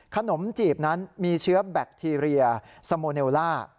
ขนมจีบนั้นมีเชื้อแบคทีเรียสโมเนลล่า